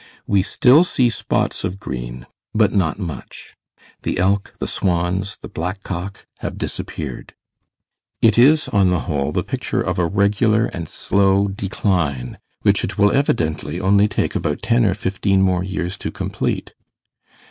We still see spots of green, but not much. The elk, the swans, the black cock have disappeared. It is, on the whole, the picture of a regular and slow decline which it will evidently only take about ten or fifteen more years to complete.